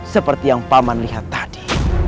seperti yang paman lihat tadi